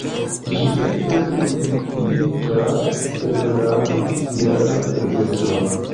Ĝi estas publikigita per la Oficiala Gazeto.